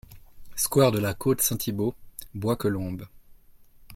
Square de la Côte Saint-Thibault, Bois-Colombes